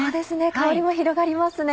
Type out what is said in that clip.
香りも広がりますね。